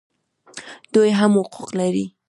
دوی هم حقوق لري